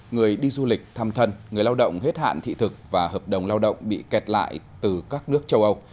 người đi du lịch thăm thân người lao động hết hạn thị thực và hợp đồng lao động bị kẹt lại từ các nước châu âu